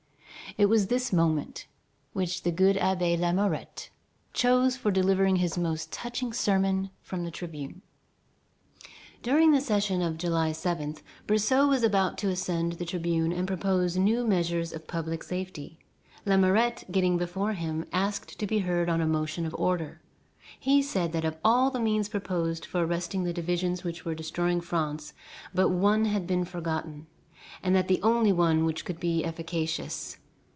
It was this moment which the good Abbé Lamourette chose for delivering his most touching sermon from the tribune. During the session of July 7, Brissot was about to ascend the tribune and propose new measures of public safety. Lamourette, getting before him, asked to be heard on a motion of order. He said that of all the means proposed for arresting the divisions which were destroying France, but one had been forgotten, and that the only one which could be efficacious.